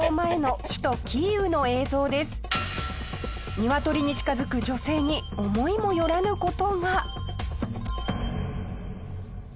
ニワトリに近づく女性に思いもよらぬ事が。